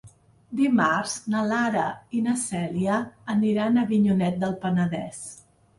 Dimarts na Lara i na Cèlia aniran a Avinyonet del Penedès.